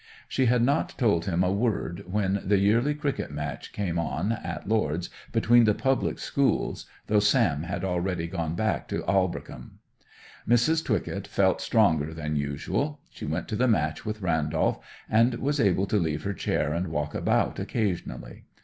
She had not told him a word when the yearly cricket match came on at Lord's between the public schools, though Sam had already gone back to Aldbrickham. Mrs. Twycott felt stronger than usual: she went to the match with Randolph, and was able to leave her chair and walk about occasionally.